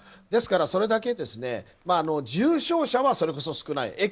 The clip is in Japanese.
ですからそれだけ重症者は少ない。